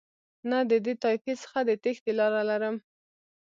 نه د دې طایفې څخه د تېښتې لاره لرم.